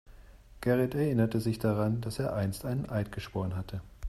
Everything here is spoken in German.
Gerrit erinnerte sich daran, dass er einst einen Eid geschworen hatte.